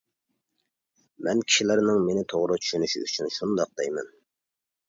مەن كىشىلەرنىڭ مېنى توغرا چۈشىنىشى ئۈچۈن شۇنداق دەيمەن.